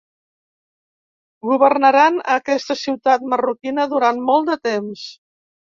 Governaran a aquesta ciutat marroquina durant molt de temps.